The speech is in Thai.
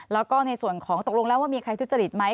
แล้วก็ในส่วนของตกลงแล้วว่ามีใครทุจริตไหม